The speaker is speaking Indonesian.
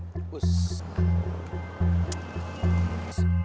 bukus nih nih duduk sini aja udah